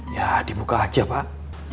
ya dibuka aja pak